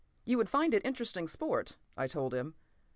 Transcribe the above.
p> "You would find it interesting sport," I told him.